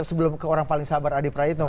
sebelum ke orang paling sabar adi prayitno